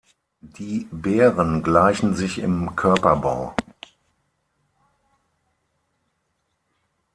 Die Bären gleichen sich im Körperbau.